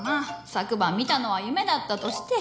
昨晩見たのは夢だったとして。